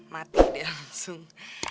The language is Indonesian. mati dia langsung